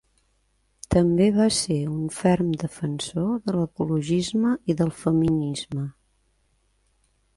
També va ser un ferm defensor de l’ecologisme i del feminisme.